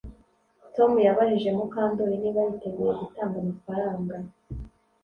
Tom yabajije Mukandoli niba yiteguye gutanga amafaranga